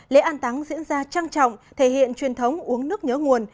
lễ an táng diễn ra trang trọng thể hiện truyền thống uống nước nhớ nguồn